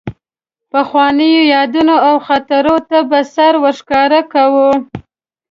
پخوانیو یادونو او خاطرو ته به سر ورښکاره کاوه.